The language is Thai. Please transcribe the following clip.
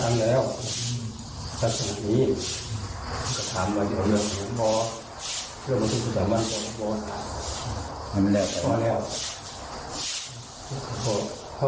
นะ